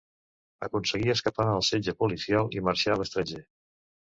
Aconseguí escapar al setge policial i marxà a l'estranger.